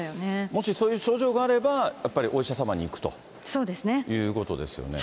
もしそういう症状があれば、やっぱりお医者様に行くと。ということですよね。